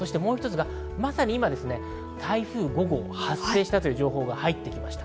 まさに今、台風５号が発生したという情報が入ってきました。